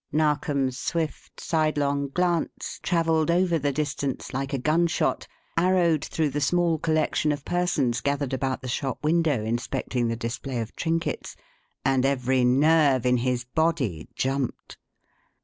Narkom's swift, sidelong glance travelled over the distance like a gunshot, arrowed through the small collection of persons gathered about the shop window inspecting the display of trinkets, and every nerve in his body jumped.